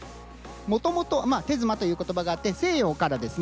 もともと手妻という言葉があって西洋からですね